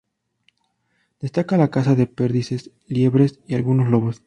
Destaca la caza de perdices, liebres y algunos lobo.